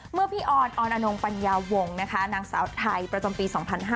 เมื่อพี่ออนออนอนงปัญญาวงศ์นะคะนางสาวไทยประจำปี๒๕๕๙